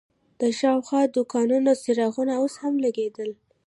د شاوخوا دوکانونو څراغونه اوس هم لګېدل.